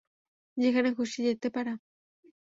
যেখানে খুশি যেতে পারা?